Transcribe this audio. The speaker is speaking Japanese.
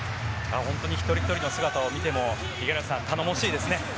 一人ひとりの姿を見ても頼もしいですね。